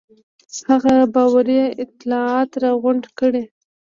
هغه باوري اطلاعات راغونډ کړي.